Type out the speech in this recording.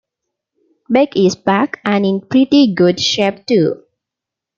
Beck is back, and in pretty good shape too.